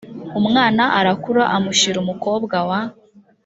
umwana arakura amushyira umukobwa wa